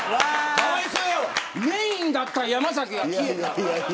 メーンだった山崎が消えた。